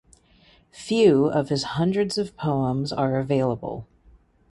Few of his hundreds of poems are available.